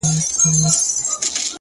صدقه نه; په څو ـ څو ځلې صدقان وځي;